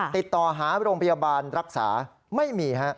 ติดต่อหาโรงพยาบาลรักษาไม่มี